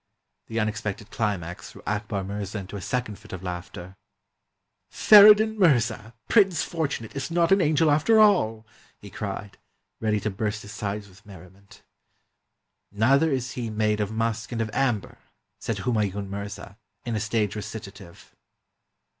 The unexpected climax threw Akbar Mirza into a second fit of laughter. ''Feridun Mirza, Prince Fortunate, is not an angel after all!" he cried, ready to burst his sides with merri ment. "Neither is he made of musk and of amber!" said Humayun Mirza, in a stage recitative.